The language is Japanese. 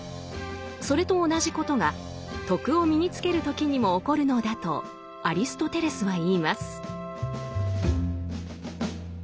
それと同じことが「徳」を身につける時にも起こるのだとアリストテレスは言います。